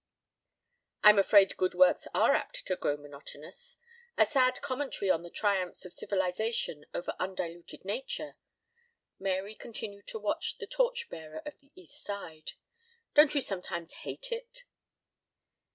"I'm afraid good works are apt to grow monotonous. A sad commentary on the triumphs of civilization over undiluted nature." Mary continued to watch the torch bearer of the East Side. "Don't you sometimes hate it?"